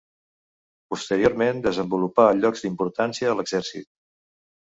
Posteriorment, desenvolupà llocs d'importància a l'exèrcit.